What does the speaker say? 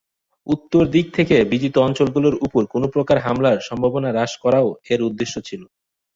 উত্তর দিক থেকে বিজিত অঞ্চলগুলোর উপর কোনো প্রকার হামলার সম্ভাবনা হ্রাস করাও এর উদ্দেশ্য ছিল।